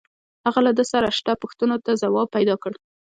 هغه له ده سره شته پوښتنو ته ځواب پیدا کړ